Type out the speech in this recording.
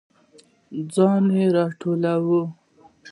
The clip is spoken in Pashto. ځان راټولول